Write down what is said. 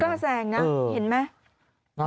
ไม่กล้าแซงนะเห็นไหม